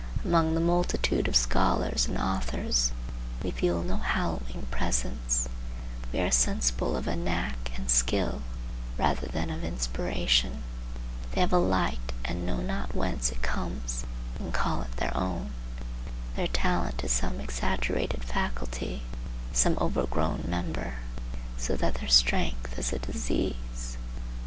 Among the multitude of scholars and authors, we feel no hallowing presence; we are sensible of a knack and skill rather than of inspiration; they have a light and know not whence it comes and call it their own; their talent is some exaggerated faculty, some overgrown member, so that their strength is a disease.